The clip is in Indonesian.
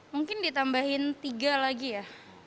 mungkin ditambahin tiga lagi ya